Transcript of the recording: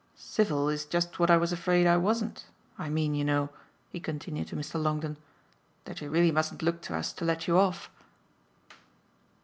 "'Civil' is just what I was afraid I wasn't. I mean, you know," he continued to Mr. Longdon, "that you really mustn't look to us to let you off